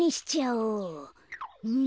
うん。